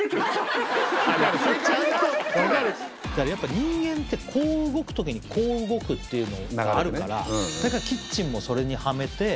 人間ってこう動くときにこう動くっていうのあるからキッチンもそれにハメて